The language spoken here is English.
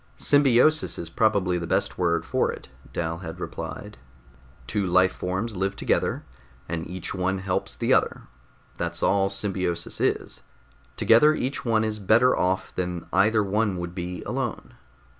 "Symbiosis is probably the best word for it," Dal had replied. "Two life forms live together, and each one helps the other that's all symbiosis is. Together each one is better off than either one would be alone.